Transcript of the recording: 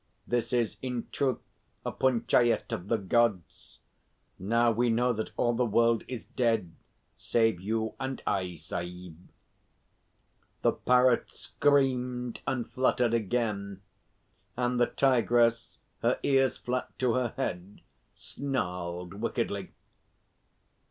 "This is in truth a Punchayet of the Gods. Now we know that all the world is dead, save you and I, Sahib." The Parrot screamed and fluttered again, and the Tigress, her ears flat to her head, snarled wickedly.